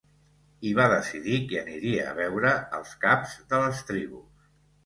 I va decidir que aniria a veure els caps de les tribus.